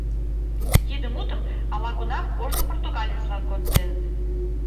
Тиде мутым ала-кунам ожно португалец-влак конденыт.